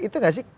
itu enggak sih